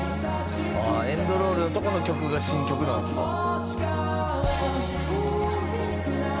「エンドロールのとこの曲が新曲なんですか」